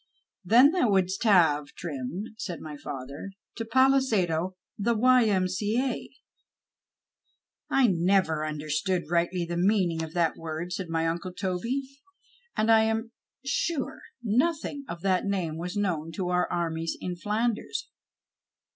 " Then thou wouldst have, Trim," said my father, " to palisado the Y.M.C.A." " I never understood rightly the meaning of that word," suid my unelr Toby, " und I am sure 85 D 2 PASTICHE AND PREJUDICE nothing of that name was known to our armies in Flanders."